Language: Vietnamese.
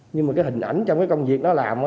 nhưng mà cái hình ảnh trong cái công việc nó làm